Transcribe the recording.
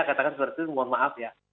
katakan seperti itu mohon maaf ya